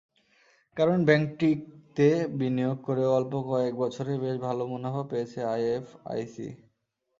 কারণ, ব্যাংকটিতে বিনিয়োগ করে অল্প কয়েক বছরে বেশ ভালো মুনাফা পেয়েছে আইএফআইসি।